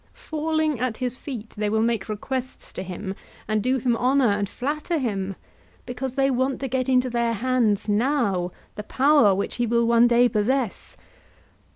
Falling at his feet, they will make requests to him and do him honour and flatter him, because they want to get into their hands now, the power which he will one day possess.